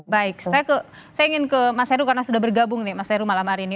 baik saya ingin ke mas heru karena sudah bergabung nih mas heru malam hari ini